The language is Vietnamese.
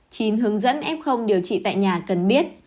chín hướng dẫn f điều trị tại nhà cần biết